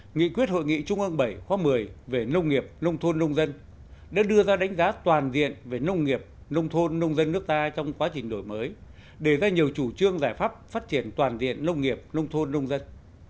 nghị quyết hội nghị trung ương bảy khóa một mươi về nông nghiệp nông thôn nông dân đã đưa ra đánh giá toàn diện về nông nghiệp nông thôn nông dân nước ta trong quá trình đổi mới đề ra nhiều chủ trương giải pháp phát triển toàn diện nông nghiệp nông thôn nông dân